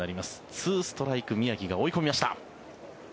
２ストライク宮城が追い込みました。